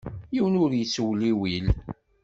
Yiwen ur yettewliwil.